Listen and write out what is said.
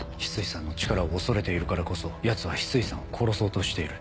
翡翠さんの力を恐れているからこそヤツは翡翠さんを殺そうとしている。